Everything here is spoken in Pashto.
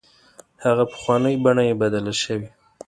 هغه پخوانۍ بڼه یې بدله شوې.